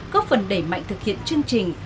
có phần đẩy mạnh thực hiện chương trình